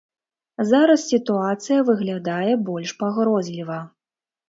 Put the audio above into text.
Зараз сітуацыя выглядае больш пагрозліва.